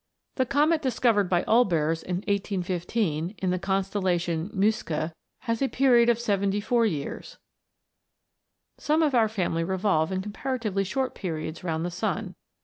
The Comet discovered by Olbers, in 1815, in the constellation Musca, has a period of 74 years. Some of our family revolve in comparatively short periods round the sun.